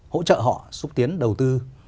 hỗ trợ họ xúc tiến đầu tư